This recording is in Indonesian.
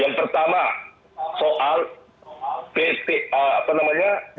yang pertama soal ru ini